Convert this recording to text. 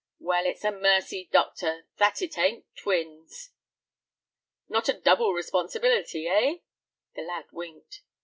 "Well, it's a mercy, doctor, that it ain't twins." "Not a double responsibility, eh?" The lad winked.